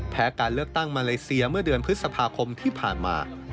การเลือกตั้งมาเลเซียเมื่อเดือนพฤษภาคมที่ผ่านมา